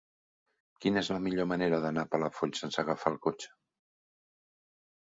Quina és la millor manera d'anar a Palafolls sense agafar el cotxe?